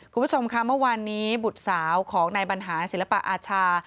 คุณผู้ชมค่ะเมื่อวานนี้บุตรสาวของนายบรรหารศิลปะอาชา